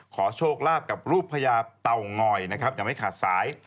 ขอโชคลาภกับรูปพญาเต่างอยนะครับยังไม่ขาดสาย